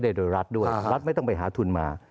โดยรัฐด้วยรัฐไม่ต้องไปหาทุนมา